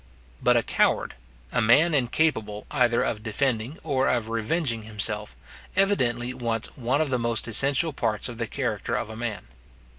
But a coward, a man incapable either of defending or of revenging himself, evidently wants one of the most essential parts of the character of a man.